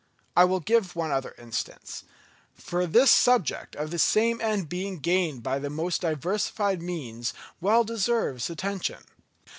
I will give one other instance: for this subject of the same end being gained by the most diversified means well deserves attention.